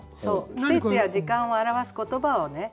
季節や時間を表す言葉をね